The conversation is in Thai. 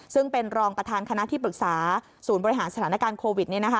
ซึ่งเป็นรองประธานคณะที่ปรึกษาศูนย์บริหารสถานการณ์โควิด